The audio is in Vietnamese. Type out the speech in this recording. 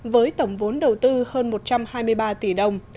với tổng vốn đầu tư hơn một trăm hai mươi ba tỷ đồng